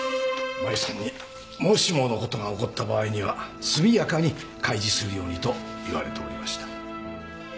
マユさんにもしものことが起こった場合には速やかに開示するようにと言われておりました。